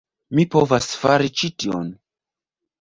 Mi povas fari ĉi tion!